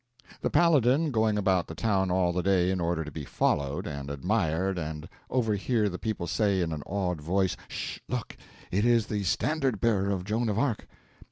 The Paladin, going about the town all the day in order to be followed and admired and overhear the people say in an awed voice, "'Ssh!—look, it is the Standard Bearer of Joan of Arc!"